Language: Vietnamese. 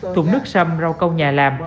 thùng nước sâm rau câu nhà làm